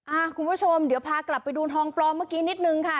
คุณผู้ชมเดี๋ยวพากลับไปดูทองปลอมเมื่อกี้นิดนึงค่ะ